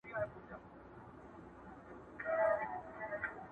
تیاره پر ختمېده ده څوک به ځي څوک به راځي،